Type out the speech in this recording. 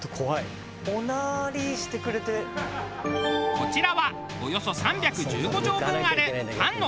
こちらはおよそ３１５畳分あるパンの乾燥室。